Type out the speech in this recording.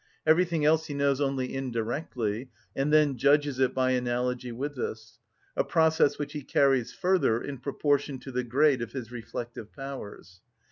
Everything else he knows only indirectly, and then judges it by analogy with this; a process which he carries further in proportion to the grade of his reflective powers.